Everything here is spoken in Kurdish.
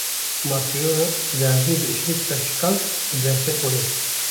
Matryona derziyê di îşlik de çikand û derket holê.